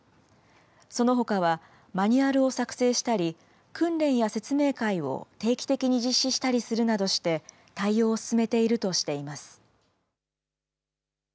そのほかはマニュアルを作成したり、訓練や説明会を定期的に実施したりするなどして、対応を進めているとしています。